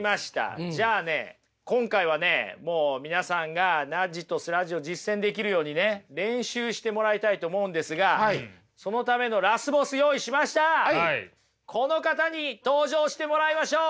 じゃあね今回はねもう皆さんがナッジとスラッジを実践できるようにね練習してもらいたいと思うんですがそのためのこの方に登場してもらいましょう。